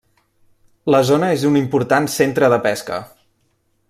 La zona és un important centre de pesca.